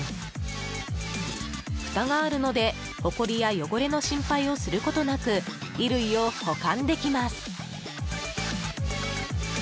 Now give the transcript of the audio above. ふたがあるので、ほこりや汚れの心配をすることなく衣類を保管できます。